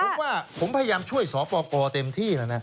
ผมว่าผมพยายามช่วยสปกรเต็มที่แล้วนะ